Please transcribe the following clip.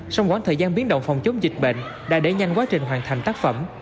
sau quãng thời gian biến động phòng chống dịch bệnh đã đẩy nhanh quá trình hoàn thành tác phẩm